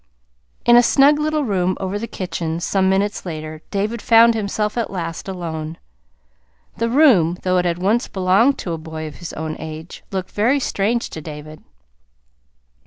In a snug little room over the kitchen some minutes later, David found himself at last alone. The room, though it had once belonged to a boy of his own age, looked very strange to David.